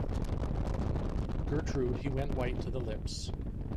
Gertrude he went white to the lips.